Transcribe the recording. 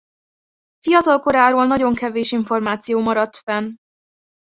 Fiatalkoráról nagyon kevés információ maradt fenn.